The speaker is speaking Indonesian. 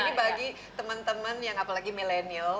ini bagi teman teman apalagi yang milenial